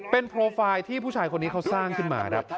เป็นโปรไฟล์ที่ผู้ชายคนนี้เขาสร้างขึ้นมาครับ